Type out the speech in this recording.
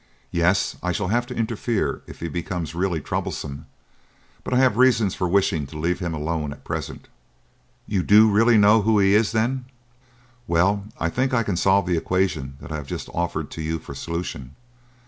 "Yes; I shall have to interfere if he becomes really troublesome, but I have reasons for wishing to leave him alone at present." "You do really know who he is, then?" "Well, I think I can solve the equation that I have just offered to you for solution.